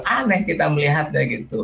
aneh kita melihatnya gitu